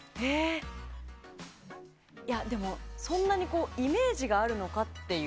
でも、そんなにイメージがあるのかっていう。